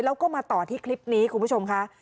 แล้วก็มาต่อที่คลิปนี้คุณผู้ชมค่ะ